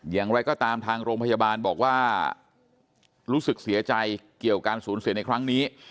อย่างไรก็ตามทางโรงพยาบาลบอกว่ารู้สึกเสียใจเกี่ยวการสูญเสียในครั้งนี้